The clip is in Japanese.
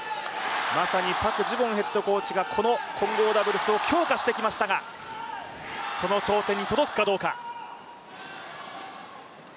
まさパク・ジュボンヘッドコーチが強化してきましたが、その頂点に届くかどうか。